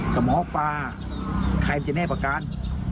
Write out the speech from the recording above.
สมองปลาใครมันจะแน่กว่ากัน